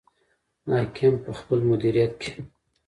حاکم په خپل مدیریت کې.